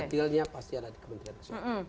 detilnya pasti ada di kementerian nasional